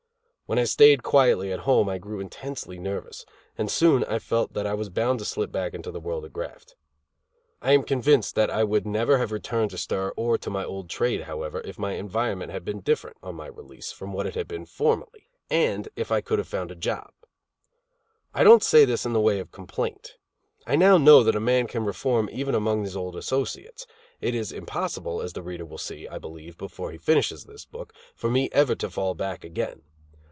When I stayed quietly at home I grew intensely nervous; and soon I felt that I was bound to slip back to the world of graft. I am convinced that I would never have returned to stir or to my old trade, however, if my environment had been different, on my release, from what it had been formerly; and if I could have found a job. I don't say this in the way of complaint. I now know that a man can reform even among his old associates. It is impossible, as the reader will see, I believe, before he finishes this book, for me ever to fall back again.